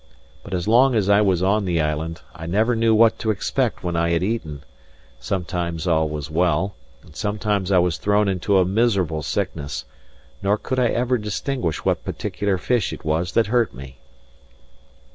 But as long as I was on the island, I never knew what to expect when I had eaten; sometimes all was well, and sometimes I was thrown into a miserable sickness; nor could I ever distinguish what particular fish it was that hurt me.